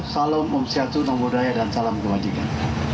salam umsiatu namudaya dan salam kewajiban